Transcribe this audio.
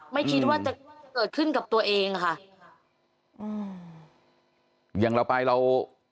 ไม่คิดว่าจะเกิดขึ้นกับตัวเองค่ะอืมอย่างเราไปเรา